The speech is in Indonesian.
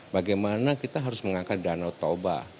bagaimana kita harus mengangkat danau toba